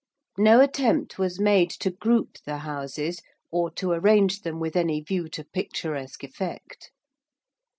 No attempt was made to group the houses or to arrange them with any view to picturesque effect.